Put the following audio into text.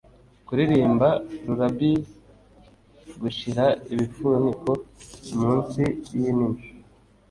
kuririmba lullabies gushira ibifuniko munsi yinini